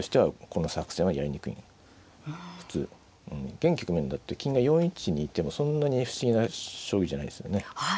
現局面だって金が４一にいてもそんなに不思議な将棋じゃないですよね。